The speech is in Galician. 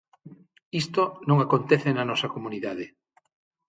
Isto non acontece na nosa comunidade.